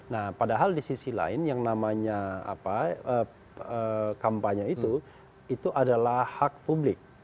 nah padahal di sisi lain yang namanya kampanye itu itu adalah hak publik